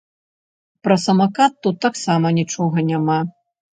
Пра самакат тут таксама нічога няма!